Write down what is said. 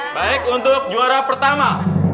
baik untuk juara pertama